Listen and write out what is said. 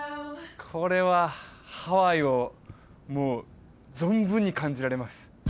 これはハワイをもう存分に感じられます